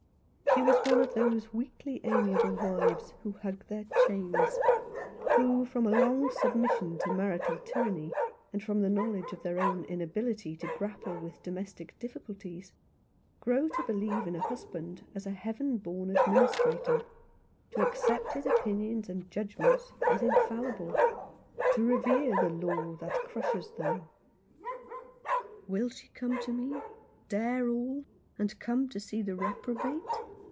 She was one of those weakly amiable wives who hug their chains; who, from a long 67 " Rough Justice. submission to marital tyranny, and from the knowledge of their own inability to grapple with domestic difficulties, grow to believe in a husband as a heaven born administrator, to accept his opin ions and judgments as infallible, to revere the law that crushes them. "Will she come to me — dare all — and come to see the reprobate